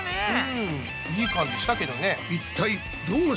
うんいい感じしたけどね。